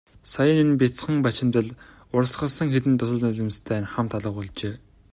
Саяын нь бяцхан бачимдал урсгасан хэдэн дусал нулимстай нь хамт алга болжээ.